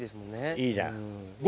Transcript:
いいじゃん。